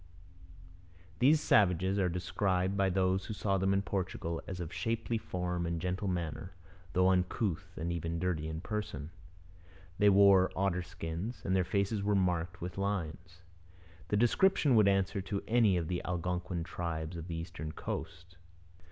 These savages are described by those who saw them in Portugal as of shapely form and gentle manner, though uncouth and even dirty in person. They wore otter skins, and their faces were marked with lines. The description would answer to any of the Algonquin tribes of the eastern coast.